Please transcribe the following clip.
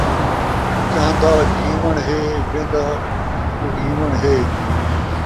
چاہن٘دا جیوݨ ہے، وین٘دا کُہیوݨ ہے